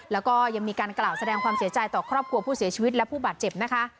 แล้วก็ยังมีการกล่าวแสดงความเสียใจต่อครอบครัวผู้เสียชีวิตและผู้บาดเจ็บนะคะ